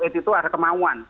aid itu ada kemauan